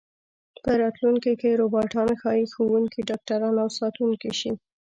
په راتلونکي کې روباټان ښايي ښوونکي، ډاکټران او ساتونکي شي.